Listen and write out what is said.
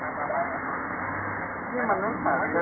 ขอบคุณที่ทำดีดีกับแม่ของฉันหน่อยครับ